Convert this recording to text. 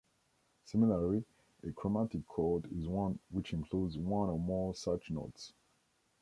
Similarly, a chromatic chord is one which includes one or more such notes.